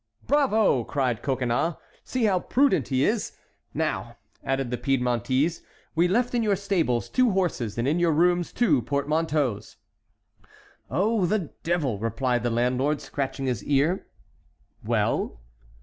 "Bravo!" cried Coconnas, "see how prudent he is! Now," added the Piedmontese, "we left in your stables two horses, and in your rooms two portmanteaus." "Oh, the devil!" replied the landlord, scratching his ear. "Well?"